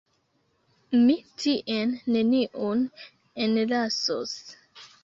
Mi tien neniun enlasos.